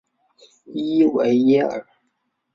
伊维耶尔。